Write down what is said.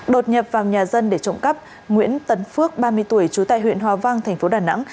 đột nhập vào nhà dân để trộm cắp nguyễn tấn phước ba mươi tuổi trú tại huyện hòa vang thành phố đà nẵng